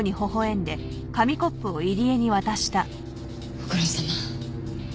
ご苦労さま。